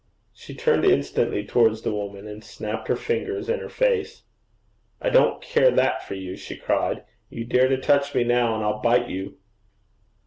She turned instantly towards the woman, and snapped her fingers in her face. 'I don't care that for you,' she cried. 'You dare to touch me now, and I'll bite you.'